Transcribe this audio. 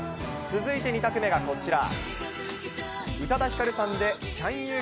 続いて２択目がこちら。